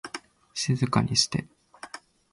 静かにして